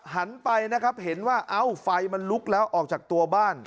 หันไปนะครับเห็นว่าเอ้าไฟมันลุกแล้วออกจากตัวบ้าน